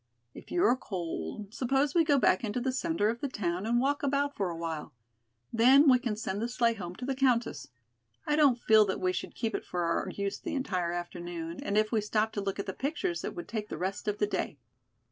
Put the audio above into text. If you are cold, suppose we go back into the center of the town and walk about for a while. Then we can send the sleigh home to the Countess. I don't feel that we should keep it for our use the entire afternoon, and if we stop to look at the pictures it would take the rest of the day.